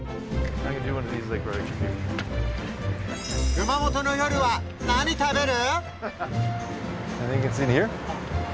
熊本の夜は何食べる？